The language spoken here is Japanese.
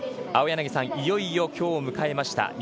青柳さん、いよいよきょうを迎えました。